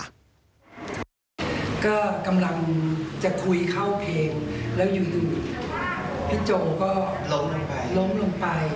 ตาเหลือกแล้วก็กัดกามแล้วก็มีน้ำลายฟูปาก